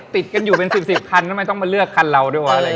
ติดกันอยู่เป็น๑๐คันทำไมต้องมาเลือกคันเราด้วย